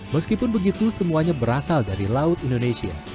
meskipun begitu semuanya berasal dari laut indonesia